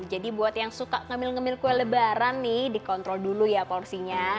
jadi buat yang suka ngemil ngemil kue lebaran nih dikontrol dulu ya porsinya